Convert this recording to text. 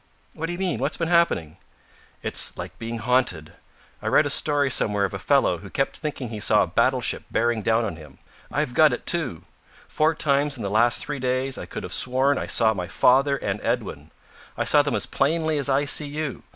"What do you mean? What's been happening?" "It's like being haunted. I read a story somewhere of a fellow who kept thinking he saw a battleship bearing down on him. I've got it, too. Four times in the last three days I could have sworn I saw my father and Edwin. I saw them as plainly as I see you.